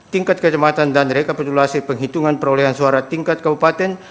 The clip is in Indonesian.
tingkat kecematan dan rekapitulasi penghitungan perolehan suara tingkat kabupaten